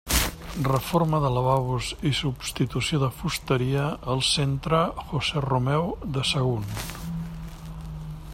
Reforma de lavabos i substitució de fusteria al centre José Romeu de Sagunt.